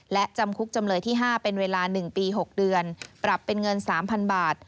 และจำคุกจำเลยที่๕เป็นเวลา๑ปี๖เดือนปรับเป็นเงิน๓๐๐๐บาท